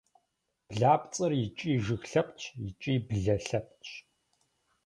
Блапцӏэр икӏи жыг лъэпкъщ, икӏи блэ лъэпкъщ.